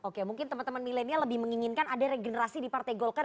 oke mungkin teman teman milenial lebih menginginkan ada regenerasi di partai golkar